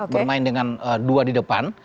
bermain dengan dua di depan